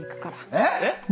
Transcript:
えっ！